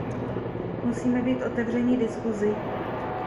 Musíme být otevřeni diskusi.